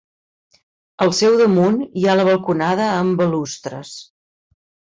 Al seu damunt hi ha la balconada amb balustres.